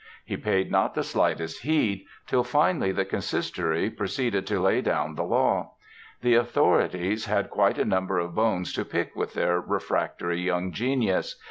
He paid not the slightest heed, till finally the Consistory proceeded to lay down the law. The authorities had quite a number of bones to pick with their refractory young genius.